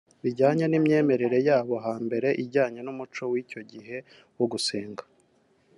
bijyanye n’imyemerere y’abo hambere ijyanye n’umuco w’icyo gihe wo gusenga